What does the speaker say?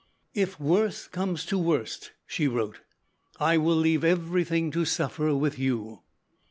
"If worse comes to worst," she wrote, "I will leave everything to suffer with you."